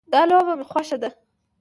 دا لوبه مې خوښه ده